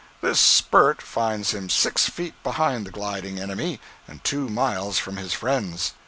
This "spurt" finds him six feet behind the gliding enemy, and two miles from his friends.